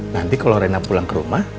nanti kalau rena pulang ke rumah